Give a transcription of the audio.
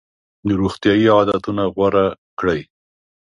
روغتیایي عادتونه غوره کړئ.